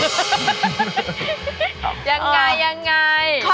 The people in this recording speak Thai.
อย่างไง